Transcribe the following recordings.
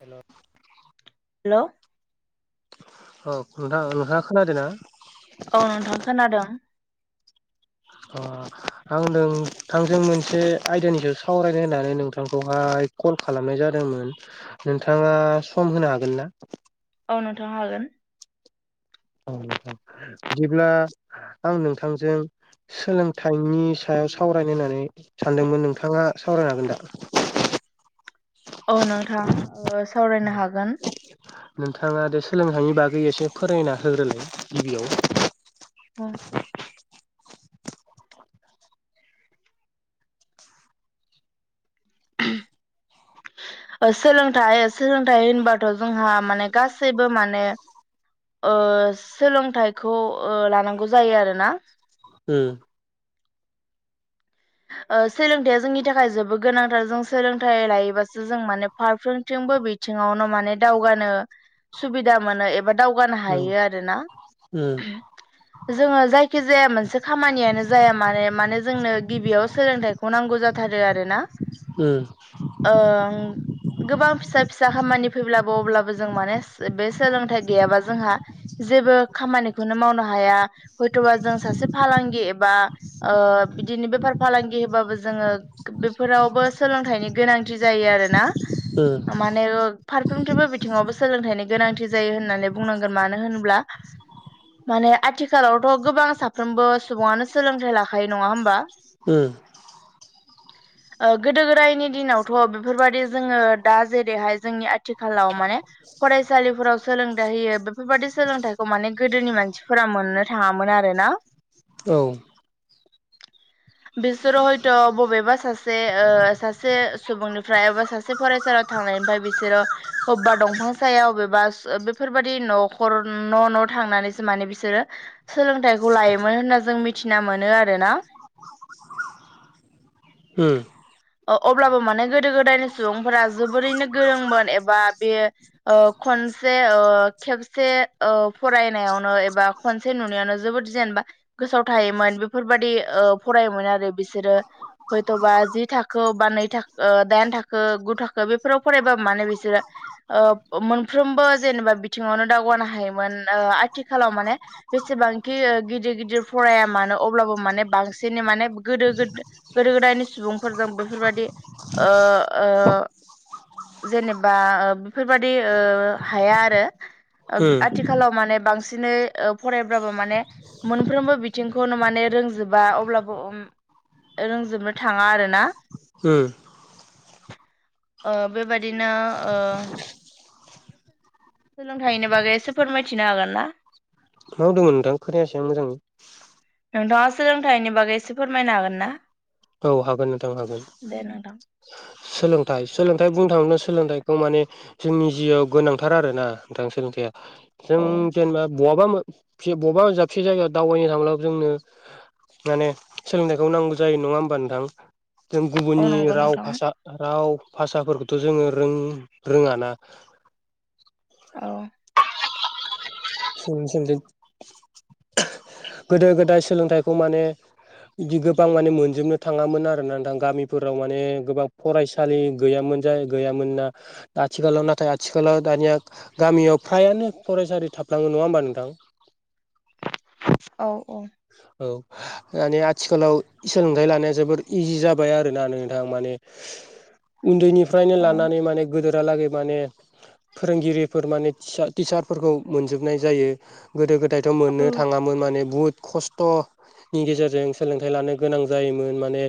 हेल'। Hello. अ नोंथां नोंथाङा खोनादो ना। औ नोंथां खोनादों। अ आं नोंथांजों मोनसे आयदानि सायाव सावरायनो होननानै नोंथांखौहाय। कल खालामनाय जादोंमोन नोंथाङा सम होनो हागोन ना औ नोंथांङा हागोन। औ नोंथां बिदिब्ला। आं नोंथांजों सोलोंथाइनि सायाव सावरायनो होननानै सानदोंमोन नोंथाङा। सावरायनो हागोन दा औ नोंथां सावरायनो हागोन नोंथाङा दे सोलोंथायनि बागै एसे फोरमायना होग्रोलाय गिबियाव औ [unintelligible] सोलोंथाइ सोलोंथाइ होनबाथ' जोंहा माने गासैबो माने ओ सोलोंथाइखौ ओ लानांगौ जायो आरोना। उम। ओ सोलोंथाइया जोंनि थाखाय जोबोद गोनांथार जों सोलोंथाइ लायोबासो जों माने फारफ्रोमथि। बो बिथिङावनो माने दावगानो सुबिदा मोनो एबा दावगानो उम हायो आरो ना। उम जोङो जायखिजाया मोनसे खामानियानो जाया माने मानो जोंनो। गिबियाव सोलोंथाइखौ नांगौ जाथारो आरोना। उम ओ गोबां फिसा फिसा खामानि फैब्लाबो अब्लाबो जों माने बे सोलोंथाइ गैयाबा जोंहा जेबो खामानिखौनो मावनो हाया हयथ'बा जों सासे फालां थांखि एबा ओ बि दिनै बेफार फालांगि होबाबो जोङो बेफोरावबो सोलोंथाइनि गोनांथि जायो आरोना। उम माने फारफ्रोमफ्रबो बिथिङावबो सोलोंथायाइनि गोनांथि जायो होननानै बुंनांगोन मानो होनब्ला माने आथिखालावथ' गोबां साफ्रोमबो सुबुङानो सोलोंथाइ लाखायो नङा होमबा उम ओ गोदो गोदायनि दिनावथ' बेफोरबायाददि जोङो दा जेरैहाय जोंनि आथिखालाव माने फरायसालिफोराव सोलोंथाइ होयो बेफोरबायदि सोलोंथाइखौ माने गोदोनि मानसिफोरा मोननो थाङामोन आरो। आरोना। औ। [unintelligible] बिसोरो हयथ' बबेबा सासे ओ सासे सुबुंनिफ्राय एबा सासे फरायसालियाव थांनाय ओमफ्राय बिसोरो अबेबा दंफां साया अबेबा बेफोरबायादि न'खर न' न' थां नानै माने बिसोरो सोलोंथाइखौ लायोमोन होनना जों मिथिना मोनो आरोना। होम। अब्लाबो माने गोदो गोदायनि सुबुंफोरा जोबोरैनो गोरोंमोन एबा बे ओ। खनसे खेबसे फरायनायावनो एबा खनसे नुनायावनो जोबोद जेन गोसोआव थायोमोन बेफोरबादि ओ फरायोमोन आरो बिसोरो हयथ'बा जि थाखो बा नै थाख ओ दाइन थाखो गु थाखो बेफोराव फरायबा माने बिसोरो ओ मोनफ्रोमबो जेनेबा बिथिङावनो दावगानो हायोमोन ओ आथिखालाव माने बेसेबांखि गिदिर गिदिर फराया मानो अब्लाबो माने बांसिन जनि माने गोदो गोदो गोदायनि सुबुंफोरजों बेफोरबाददि ओ ओ जेनेबा ओ बेफोरबादि ओ हाया आरो। आथिखालाव माने। बांसिनै फरायबो माने मोनफ्रोमबो बिथिंखौनो माने रोंजोबा अब्लाबो रोंजोबनो थाङा आरो ना। उम। ओ बेबादिनो ओ सोलोंथाइनि बागै एसे फोरमायथिनो हागोन ना मोवदोङो नोंथां खोनायासै आं मोजाङै नोंथाङा सोलोंथाइनि बागै एसे फोरमायनो हागोन ना औ हागोन नोंथां हागोन। दे नोंथां सोलोंथाइ सोलोंथाइ बुंनो थाङोब्ला सोलोंथाइखौ माने जोंनि जिआव गोनांथार आरोना नोंथां सोलोंथाइया। जों औ जेनेबा। बहाबा मोनसे बहाबा दाबसे जायगायाव दावबायनो थांब्ला जोंनो माने सोलोंथाइखौ नांगौ जायो नङा होम होनबा नोथां जों औ गुबुननि नंगौ राव नोंथां भाषा राव भाषाफोरखौथ' जोङो रों रोङाना औ ससोंदों गोदो गोदाय सोलोंथाइखौ माने बिदि गोबां माने मोनजोबनो थाङामोन आरोना नोंथां गामिफोराव माने गोबां फरायसालि गैयामोन बिफोनजाय गैयामोन ना आथिखालाव नाथाय आथिखालाव दानिया गामियाव फ्रायानो फरायसालि थाब नाङो नङा होमबा नोंथां। औ। औ औ माने आथिखालाव सोलोंथाइ लानाया जोबोर इजि जाबाय आरो ना नोंथां माने। उन्दैनिफ्रायनो औ लानानै माने गोदोरहालागै माने। फोरोंगिरिफोर माने टिचारफोरखौ मोनजोबनाय जायो गोदो गोद मोननो थाङामोन माने बहुत खस्थ'नि गेजेरजों सोलोंथाइ लानो गोनां जायोमोन माने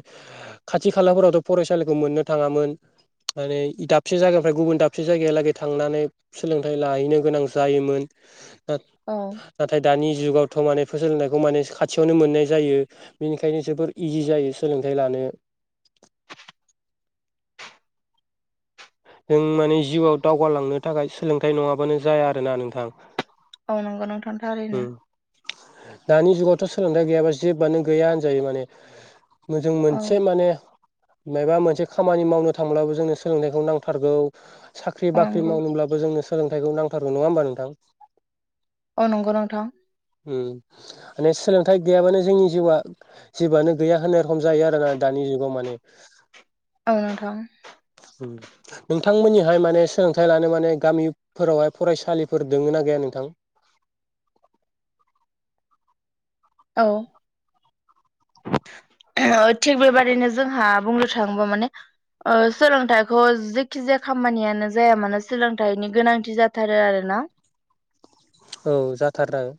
खाथि खालाफोरावथ' फरायसालिखौ मोननो थाङामोन माने दाबसे जायगानिफ्राय गुबुन दाबसे जायगायालागै थांनानै सोलोंथाइ लाहैनो गोनां जायोमोन औ नाथाय दानि जुगावथ' माने [unintelligible] बेखौ माने खाथियावनो मोननाय जायो बेनिखायनो जोबोर इजि जायो सोलोंथाइ लानो जों माने जिउआव दावगालांनो थाखाय सोलोंथाय नङाबानो जाया आरोना नोंथां। औ नंगौ नोंथां थारैनो दानि जुगावथ' सोलोंथाइ गैयाबा जेबोआनो गैया होनजायो माने मोजां औ मोनसे माने। मायबा मोनसे खामानि मावनो थांब्लाबो जोंनो सोलोंथाइखौ नांथारगौ साख्रि औ बाख्रि नंगौ मावनोब्लाबो जोंनो सोलोंथाइखौ नांथारगौ नङा होमबा नोंथां औ नंगौ नोंथां ओ माने सोलोंथाइ गैयाबानो जोंनि जिवा जेबोयानो गैया होननाय रखम जायो आरो ना दानि नि जुगाव माने औ नोंथां बिथांमोननिहाय माने सोलोंथाइ लानो माने गामिफोरावहाय फरायसालिफोर दोङो ना गैया नोंथां औ थिग बेबादिनो जोंहा बुंनो थाङोबा माने ओ सोलोंथाइखौ जेखिजाया खामानियानो जाया मानो सोलोंथाइनि गोनांथि जाथारो आरोना ना औ जाथार [unintelligible]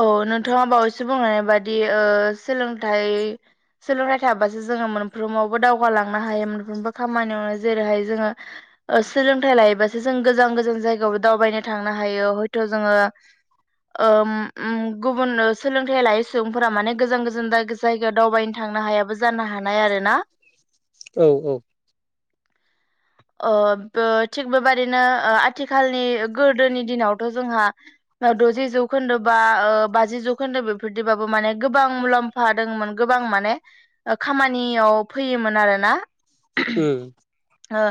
औ नोंथाङा बावैसो बुंनाय बादि ओ सोलोंथाइ सोलोंथाइ थाबासो जोङो मोनफ्रोमावबो दावगालांनो हायो मोनफ्रोमबो खामानियावनो जेरैहाय जोङो सोलोंथाइ लायोबासो जों गोजान गोजान जायगायावबो दावबायनो थांनो हायो हयथ' जोङो ओम उम गुबुन सोलोंथाइ लायै सुबुंफोरा माने गोजान गोजान जायगायाव दावबायनो थांनो हायाबो जानो हा हानाय आरो ना औ औ ओ बो थिग बेबादिनो ओ आथिखालनि गोदोनि दिनावथ' जोंहा द'जि जौखोन्दो बा बाजि जौखोन्दो बेफोरदिबाबो माने गोबां मुलाम्फा दंमोन गोबां गोबां माने खामानियाव फैयोमोन आरोना उम ओ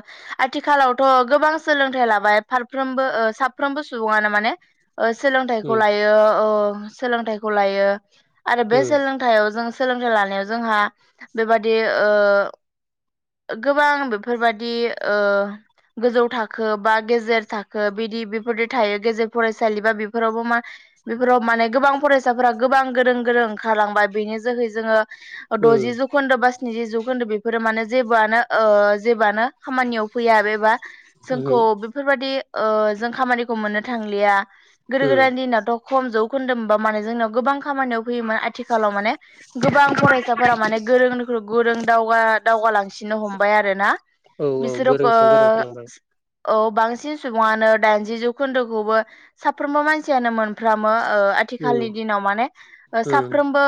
आथिखालावथ' गोबां सोलोंथाइ लाबाय फारफ्रोमबो ओ साफ्रोमबो सुबुङानो माने सोलोंथाइखौ उम लायो ओ सोलोंथाइखौ लायो आरो बे उम सोलोंथाइयाव जों सोलोंथाइ लानायाव जोंहा बेबादि ओ गोबां बेफोरबादि ओ गोजौ थाखो बा गेजेर थाखो बिदि बेफोरदि थायो गेजेर फरायसालि बा बेफोरावबो मा बेफोराव माने गोबां फरायसाफोरा गोबां गोरों गोरों ओंखारलांबाय बेनि जोहै जोङो उम द'जि जौखोन्दो बा स्निजि जौखोन्दो बेफोरो माने जेबोआनो ओ जेबोयानो खामानियाव फैया एबा उमहो जोंखौ बेफोरबायदि ओ जों खामानिखौ मोननो थांलिया गोदो उम गोदाननि दिनावथ' खम जौखोन्दोंमबा माने जोंनाव गोबां खामानियाव फैयोमोन आथिखालाव माने गोबां फरायसाफोरा माने गोरोंनिख्रुइ गोरों दावगा दावगालांसिन नो हमबाय आरोना औ औ बिसोरो गोरोंनि ओ सायाव गोरों थालांबाय औ बांसिन सुबुङानो दाइनजि जौखोन्दोखौबो साफ्रोमबो मानसियानो मोन फ्रामो ओ उम आथिखालनि दिनाव माने उम साफ्रोमबो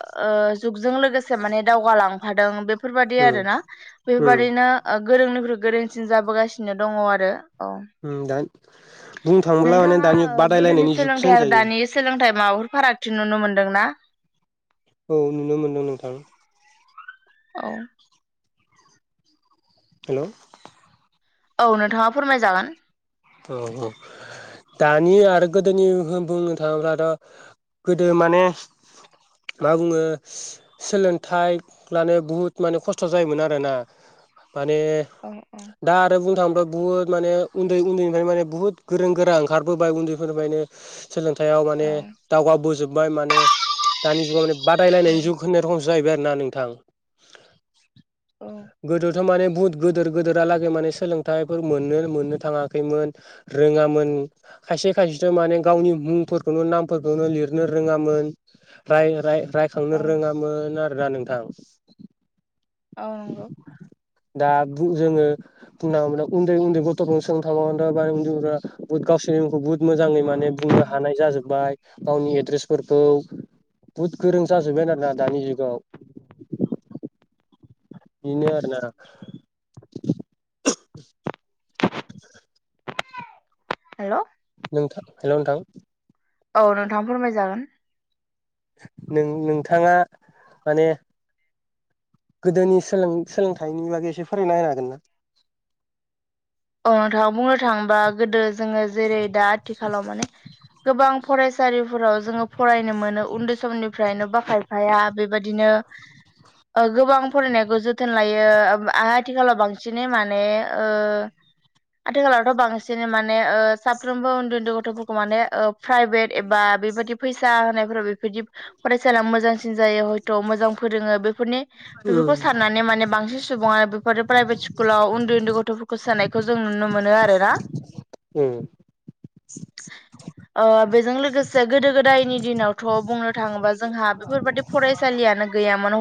ओ जुगजों लोगोसे माने दावगालांफादों बेफोरबाददि आरो उम ना उम बेफोरबादि ओरैनो गोरोंनिफ्राय गोरोंसिन जाबोगासिनो दङ आरो औ उम दा बुंनो थाङोब्ला माने नोंथाङा दानि ओ गोदोनि बादायलायनायनि जुगसो सोलोंथाइ आरो होनजायो दानि सोलोंथाइ। माबाफोर फारागथि नुनो मोन्दोंना औ नुनो मोनदों नोंथां औ हेलौ औ नोंथाङा फोरमायजागोन औ औ दानि आरो गोदोनि बुंनो थाङोब्लाथ' गोदो माने मा बुङो सोलोंथाइ लानो बुहुत माने खस्थ' जायोमोन आरोना माने औ औ दा आरो बुंनो थाङोब्ला बुहुद माने उन्दै उन्दै माने बहु गोरों गोरा ओंखारबोबाय उन्दैफोरनिफायनो सोलोंथाइयाव औ माने दावगाबोजोब बाय माने दानि जुगाव माने बादायलायनायनि जुग होननाय रखम जाहैबाय आरो ना नोंथां औ गोदोथ' माने बुहुत गिदोर गिदोरालागै माने सोलोंथाइफोर मोननो मोननो थाङा रोङामोन खायसे खायसेथ' माने गावनि मुंफोरखौनो नामफोरखौनो लिरनो रोङामोन राय राय रायखांनो औ रोङामोन आरोना नोंथां औ नंगौ दा जोङो बुंना मोन उन्दै उन्दै गथ'फोरखौनो [unintelligible] बुहुत मोजाङै माने बुंनो हेल' हानाय जाजोब्बाय गावनि एद्रेसफोरखौ बहुद गोरों जाजोबबाय आरोना दानि जुगाव [inaudible] बिनो आरो ना। [unintelligible] हेलौ। नोंथा हेल' नोंथां औ नोंथाङा फोरमायजागोन। नों नोंथाङा माने गोदोनि सोलोंथाइनि बागै एसे फोरमायना होनो हागोन ना। औ नोंथां बुंनो थाङोबा गोदो जोङो जेरै दा आथिखालाव माने गोबां फरायसालिफोराव जोङो फरायनो मोनो उन्दै समनिफ्रायनो बा खायफाया बेबायदिनो गोबां फरायनायखौ जोथोन लायो आथिखालाव बांसिनै माने ओ [inaudible] आथिखालावथ बांसिन माने ओ साफ्रोमबो उन्दै उन्दै गथ'फोरखौ माने प्राइभेट एबा बेबायदि। बिदि फैसा होनायफोराव बेफोरदि फरायसालि मोजांसिन जायो हयथ' मोजां फोरोङो बेफोरनि बेफोरखौ साननानै माने बांसिन सुबुङानो बेफोरो प्राइभेट स्कुलाव उन्दै उन्दै गथ'फोरखौ सोनाय बेखौ जों नुनो मोनो आरोना उम। ओ बेजों लोगोसे गोदो गोदायनि दिनावथ' बुंनो थाङोबा जोंहा बेफोरबाददि फरायसालियाव गैयामोन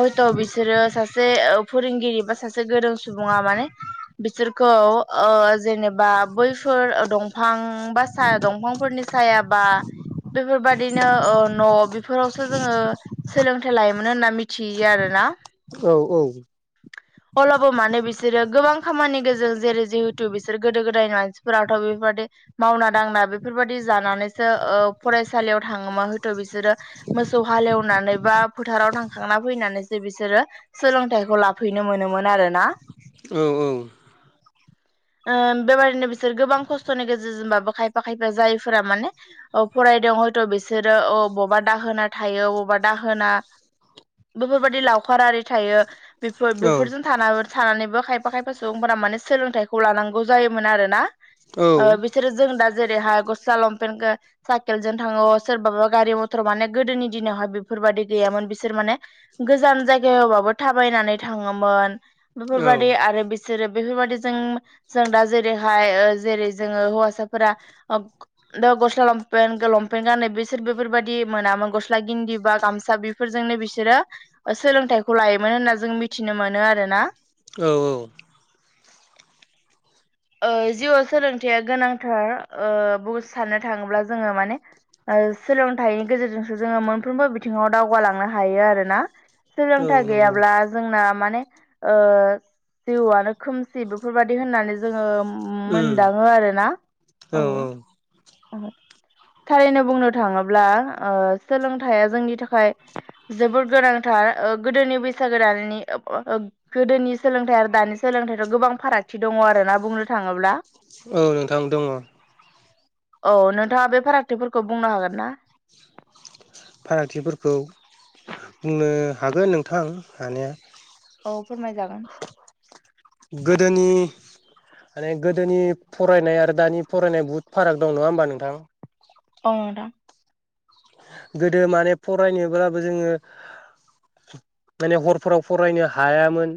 हयथ' बिसोरो सासे फोरोंगिरि बा सासे गोरों सुबुङा माने [inaudible] बिसोरखौ ओ जेनेबा बैफोर दंफां बासा दंफांफोरनि साया बेफोरबायदिनो ओ न' बे फोरावसो जोंङो सोलोंथाइ लायोमोन होनना मिथियो आरोना। औ औ। अब्लाबो मानो बिसोरो गोबां खामानि गोदो जेरै जिहेथु बिसोर गोदो गोदायनि मानसिफोराथ' बेफोरबायदि मावना दांना बेफोरबायदि जानानै फरायसालियाव थाङा हयथ' बिसोरो मोसौ हालेवनानै बा फोथाराव थां थांना फैनानैसो बिसोरो सोलोंथाइखौ लाफैनो मोनोमोन आरो ना औ औ बेबायादिनो बिसोर गोबां खस्थ'नि गेजेरजोंबाबो खायफा खायफा जायफोरा माने फराय बायदोंं हयथ' बिसोरो अ बबेबा दाहोना थायो बबेबा दाहोना बेफोरबायदि लावखार आरि थायो बेफोर औ बेफोरजों थानाबो थानानैबो खायफा खायफा सुबुंफोरा माने सोलोंथाइखौ लानांगौ जायोमोन आरो ना। बिसोरो जों दा जेरैहाय गस्ला लंपेनखो साइकेलजों थाङो सोरबाबा गारि मथर माने गोदोनि दिनावहाय बेफोरबादि गैयामोन बिसोर माने गोजान जायगायावबाबो थाबायनानै थाङो थांमोन औ बेफोरबायदि आरो बिसोरो बेफोरबायदिजों जों दा जेरैहाय जेरै जोङो हौवासाफोरा दा गस्ला लंपेन्ट लंपेन्ट गाननाय बिसोर बेफोरबायदि मोनामोन गस्ला गिन्जि बा गामसा बेफोरजों बिसोरो सोलोंथाइखौ लायोमोन होनना जों मिथिनो मोनो आरोना औ औ ओ जिउआव सोलोंथाइया गोनांथार ओ बु साननो थाङोब्ला जोङो माने ओ सोलोंथाइनि गेजेरजोंसो जोङो मोनफ्रोमबो बिथिङाव दावगालांनो हायो आरोना। औ सोलोंथाइ नंगौ गैयाब्ला जोंना माने ओ जिउआनो खोमसि बेफोरबायदि होननानै जोङो उम मोनदाङो आरो ना औ औ [inaudible] थारैनो बुंनो थाङोब्ला ओ सोलोंथाइया जोंनि थाखाय जोबोद गोनांथार। गोदोनि बैसागो दानि गोदोनि सोलोंथाइ आरो दानि सोलोंथाइ गोबां फारागथि दङ' आरोना बुंनो थाङोब्ला। औ नोंथां दङ' औ नोंथाङा बे फारागथिफोरखौ बुंनो हागोन ना? फारागथिफोरखौ बुंनो हागोन नोंथां हानाया औ फोरमायजागोन। गोदोनि। माने गोदोनि फरायनाय आरो दानि फरायनाय बहुद फाराग दं नङा होमबा नोंथां। औ नोंथां। गोदो माने फरायनोब्लाबो जोङो माने हरफोराव फरायनो हायामोन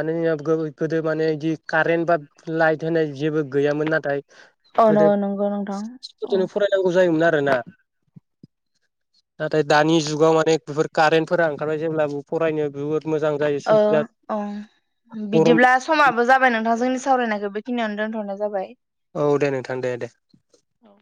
माने जोंनाव गोदो माने बिदि कारेन्ट बा लाइट होनाय जेबो गैयामोन नाथाय। औ न गोदो नंगौ नोंथां औ फोरजोंनो फरायनांगौ जायोमोन आरोना नाथाय दानि जुगाव माने बेफोर कारेन्टफोरा ओंखारबाय जेब्लाबो फरायनो बिहुर औ औ गरम बिदिब्ला समाबो जाबाय नोंथां जोंनि सावरायनायखौ बेखिनियावनो दोनथ'नाय जाबाय। औ दे नोंथां दे दे औ